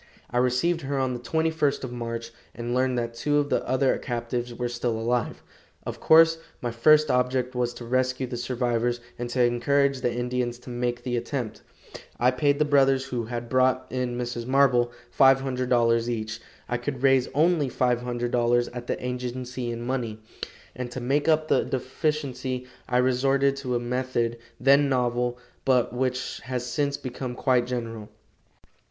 I received her on the 21st of March, and learned that two of the other captives were still alive. Of course, my first object was to rescue the survivors, and to encourage the Indians to make the attempt, I paid the brothers who had brought in Mrs. Marble $500 each. I could raise only $500 at the agency in money, and to make up the deficiency I resorted to a method, then novel, but which has since become quite general.